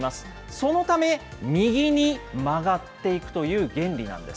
そのため、右に曲がっていくという原理なんです。